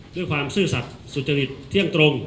ด้วยความซื่อสรรคสุธริจเที่ยงตรง